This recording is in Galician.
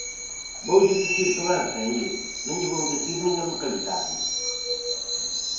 Voulle dicir que van saír, non lle vou dicir nin a localidade.